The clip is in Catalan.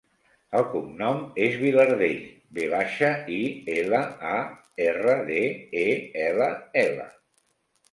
El cognom és Vilardell: ve baixa, i, ela, a, erra, de, e, ela, ela.